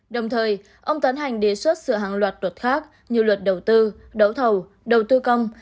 đồng thời ông tán hành đề xuất sự hàng luật luật khác như luật đầu tư đấu thầu đầu tư công